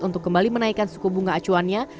untuk kembali menaikkan suku bunga acuannya